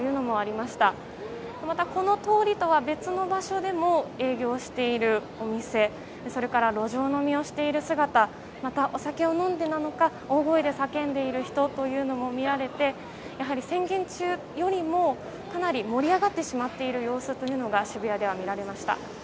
また、この通りとは別の場所でも営業しているお店それから路上飲みをしている姿また、お酒を飲んでなのか大声で叫んでいる人も見られて宣言中よりも、かなり盛り上がってしまっている様子が渋谷では見られました。